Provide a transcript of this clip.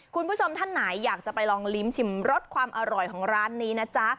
คุณผู้ชมท่านไหนอยากจะไปลองลิ้มชิมรสความอร่อยของร้านนี้นะจ๊ะ